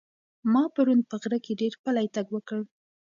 ما پرون په غره کې ډېر پلی تګ وکړ.